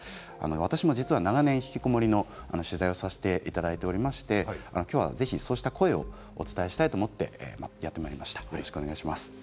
私も、長年ひきこもりの取材をさせていただいておりまして今日はそうした声をお伝えしたいと思っています。